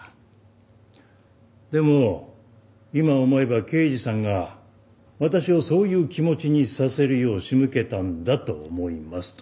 でも今思えば刑事さんが私をそういう気持ちにさせるよう仕向けたんだと思いますと。